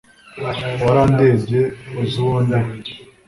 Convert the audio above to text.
warandebye, uzi uwo ndiwe